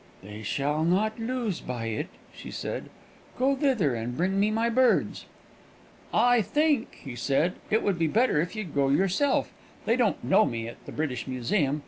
"They shall not lose by it," she said. "Go thither, and bring me my birds." "I think," he said, "it would be better if you'd go yourself; they don't know me at the British Museum.